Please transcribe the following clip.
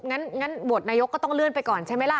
งั้นโหวตนายกก็ต้องเลื่อนไปก่อนใช่ไหมล่ะ